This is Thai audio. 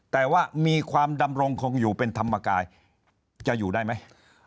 แต่ว่ามีความดำรงคงอยู่เป็นธรรมกายจะอยู่ได้ไหม